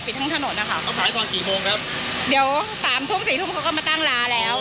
ทั้งถนนนะคะเขาขายตอนกี่โมงครับเดี๋ยวสามทุ่มสี่ทุ่มเขาก็มาตั้งร้านแล้ว